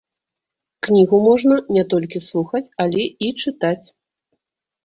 Кнігу можна не толькі слухаць, але і чытаць.